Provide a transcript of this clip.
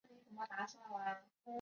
他曾经担任拿索县的县长。